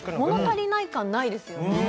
足りない感ないですよね